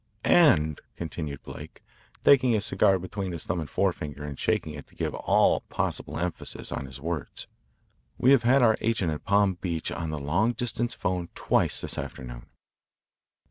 "And," concluded Blake, taking his cigar between his thumb and forefinger and shaking it to give all possible emphasis to his words, "we have had our agent at Palm Beach on long distance 'phone twice this afternoon.